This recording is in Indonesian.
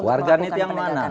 warganet yang mana